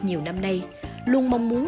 nhiều năm nay luôn mong muốn